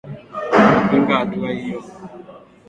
kupinga hatua hiyo ambayo imetangazwa na tume ya uchaguzi